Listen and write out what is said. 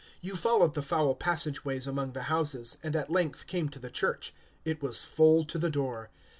You followed the foul passage ways among the houses, and at length came to the church. It was full to the door.